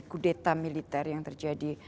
kudeta militer yang terjadi